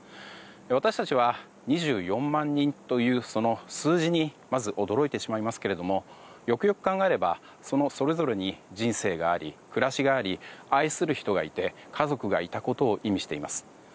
私たちは、２４万人という数字にまず驚いてしまいますけれどもよくよく考えればそれぞれに人生があり暮らしがあり、愛する人がいて家族がいたことを意味しています。